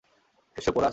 এসো, পোরাস!